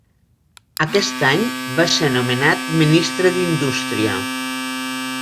Aquest any va ser nomenat ministre d'Indústria.